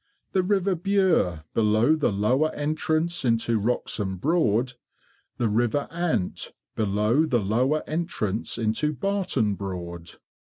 The River Bure, below the lower entrance into Wroxham Broad— 4. The River Ant, below the lower entrance into Barton Broad— 5.